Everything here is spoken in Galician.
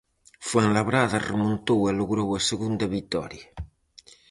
Fuenlabrada remontou e logrou a segunda vitoria.